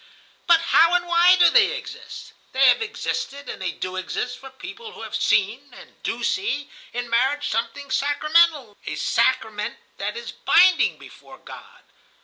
"But how and why do they exist? They have existed, and they do exist, for people who have seen, and do see, in marriage something sacramental, a sacrament that is binding before God.